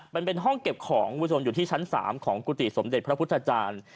มันเป็นห้องเก็บของคุณผู้ชมอยู่ที่ชั้น๓ของกุฏิสมเด็จพระพุทธจารย์